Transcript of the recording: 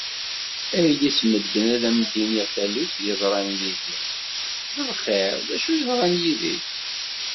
A yelli-s n medden ad am-iniɣ taluft yeḍran yid-i! D lxir, d acu yeḍran yid-k?